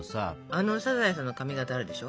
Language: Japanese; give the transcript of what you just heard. あのサザエさんの髪形あるでしょ。